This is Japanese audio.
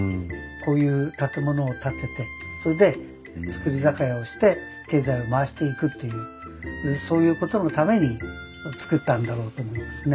こういう建物を建ててそれで造り酒屋をして経済を回していくというそういうことのために造ったんだろうと思いますね。